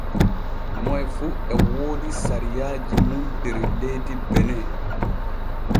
Moy fu e woodi sariaaji mun der leydi bene.